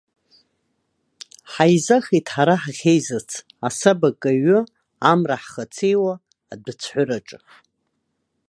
Ҳаизахит ҳара ҳахьеизац, асаба каҩҩы, амра ҳхацеиуа, адәыцәҳәыраҿы.